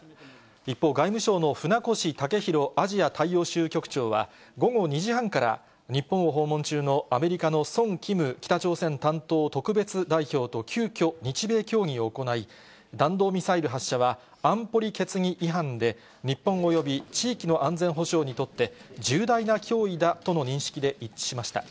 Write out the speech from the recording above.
一方、外務省の船越たけひろアジア大洋州局長は午後２時半から、日本を訪問中のアメリカのソン・キム北朝鮮担当特別代表と急きょ、日米協議を行い、弾道ミサイル発射は安保理決議違反で、日本および地域の安全保障にとって、重大な脅威だとの認識で一致しました。